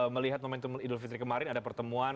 melihat momentum idul fitri kemarin ada pertemuan